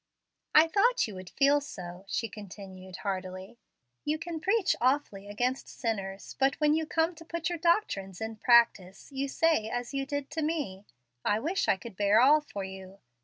"I thought you would feel so," she continued heartily. "You can preach awfully against sinners, but when you come to put your doctrines in practice, you say as you did to me, 'I wish I could bear all for you.'